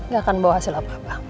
gak akan bawa hasil apa apa